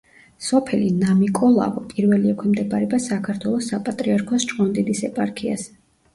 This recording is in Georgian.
სოფელი ნამიკოლავო პირველი ექვემდებარება საქართველოს საპატრიარქოს ჭყონდიდის ეპარქიას.